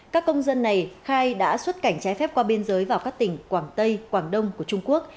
các công dân này khai đã xuất cảnh trái phép qua biên giới vào các tỉnh quảng tây quảng đông của trung quốc